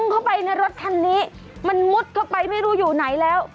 เข้าไปในรถคันนี้มันมุดเข้าไปไม่รู้อยู่ไหนแล้ว